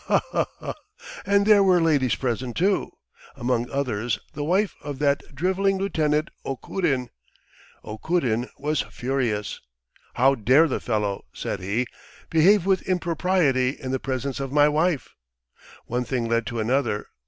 ... Ha ha ha, and there were ladies present, too ... among others the wife of that drivelling Lieutenant Okurin. ... Okurin was furious. ... 'How dare the fellow,' said he, 'behave with impropriety in the presence of my wife?' One thing led to another